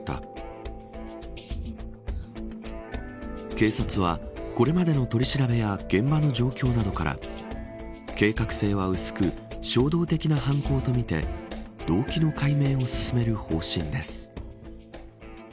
警察は、これまでの取り調べや現場の状況などから計画性は薄く衝動的な犯行とみて動機の解明を進める方針です。